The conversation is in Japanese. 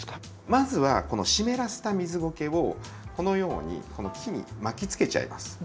まずはこの湿らせた水ゴケをこのようにこの木に巻きつけちゃいます。